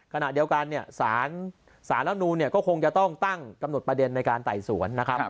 ขณะเดียวกันสารแล้วนูนก็คงจะต้องตั้งกำหนดประเด็นในการไต่สวน